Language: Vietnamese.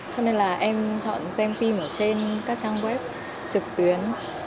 cho nên là em chọn xem phim ở trên các trang web trực tuyến